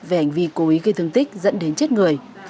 về hành vi cố ý gây thương tích dẫn đến chết người